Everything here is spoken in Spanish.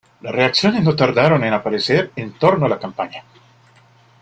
Las reacciones no tardaron en aparecer en torno a la campaña.